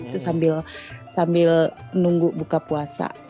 itu sambil nunggu buka puasa